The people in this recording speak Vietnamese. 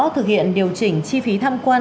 thực hiện điều chỉnh chi phí thăm quan